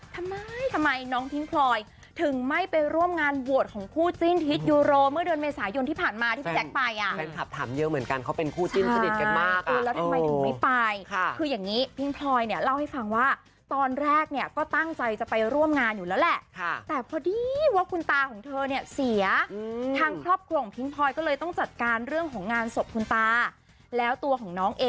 ทำไมทำไมน้องพิ้งพลอยถึงไม่ไปร่วมงานบวชคู่จรินทิศยุโร